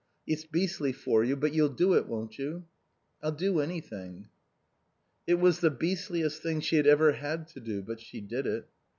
It's beastly for you. But you'll do it, won't you?" "I'll do anything." It was the beastliest thing she had ever had to do, but she did it.